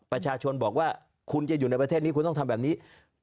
ประชาชนบอกว่าคุณจะอยู่ในประเทศนี้คุณต้องทำแบบนี้